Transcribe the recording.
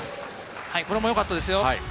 これもよかったですよ。